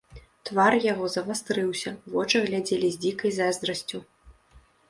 Твар яго завастрыўся, вочы глядзелі з дзікай зайздрасцю.